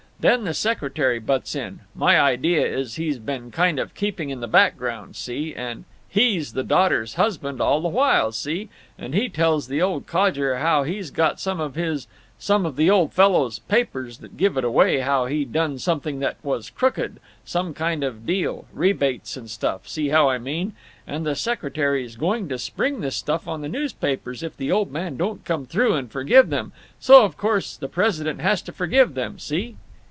Then the secretary butts in—my idea is he's been kind of keeping in the background, see—and he's the daughter's husband all the while, see? and he tells the old codger how he's got some of his—some of the old fellow's—papers that give it away how he done something that was crooked—some kind of deal—rebates and stuff, see how I mean?—and the secretary's going to spring this stuff on the newspapers if the old man don't come through and forgive them; so of course the president has to forgive them, see?"